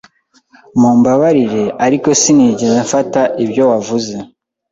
Mumbabarire, ariko sinigeze mfata ibyo wavuze.